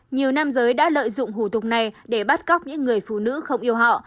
nhiều nam giới đã lợi dụng hủ tục này để bắt cóc những người phụ nữ không yêu họ